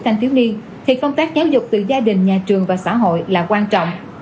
thanh thiếu niên thì công tác giáo dục từ gia đình nhà trường và xã hội là quan trọng